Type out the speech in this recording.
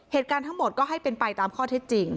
เหตุการณ์ทั้งหมดก็ให้เป็นไปตามข้อเท็จจริง